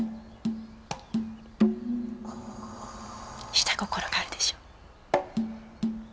下心があるでしょ？